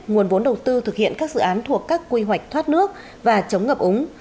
nguồn vốn đầu tư thực hiện các dự án thuộc các quy hoạch thoát nước và chống ngập úng